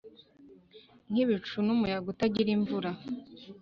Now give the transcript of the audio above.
nkibicu numuyaga utagira imvura